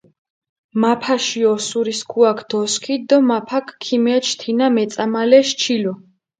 მაფაში ოსურისქუაქ დოსქიდჷ დო მაფაქ ქიმეჩჷ თინა მეწამალეს ჩილო.